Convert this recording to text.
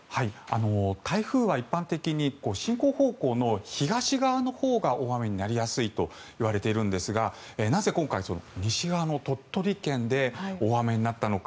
台風は一般的に進行方向の東側のほうが大雨になりやすいといわれているんですがなぜ今回西側の鳥取県で大雨になったのか。